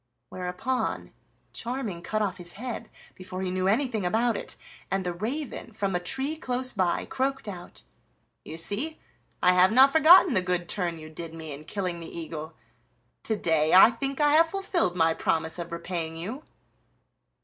Whereupon Charming cut off his head before he knew anything about it, and the raven from a tree close by croaked out: "You see I have not forgotten the good turn you did me in killing the eagle. To day I think I have fulfilled my promise of repaying you."